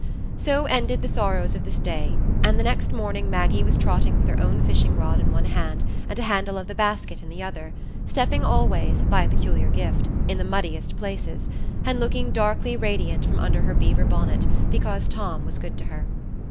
So ended the sorrows of this day, and the next morning Maggie was trotting with her own fishing rod in one hand and a handle of the basket in the other, stepping always, by a peculiar gift, in the muddiest places, and looking darkly radiant from under her beaver bonnet because Tom was good to her.